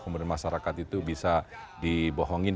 kemudian masyarakat itu bisa dibohongin